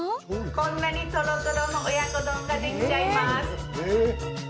こんなにトロトロの親子丼ができちゃいます。